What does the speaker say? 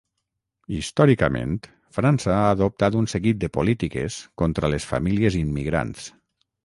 Històricament, França ha adoptat un seguit de polítiques contra les famílies immigrants.